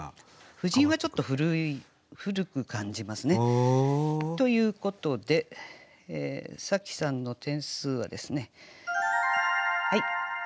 「婦人」はちょっと古く感じますね。ということで紗季さんの点数は７３点でした。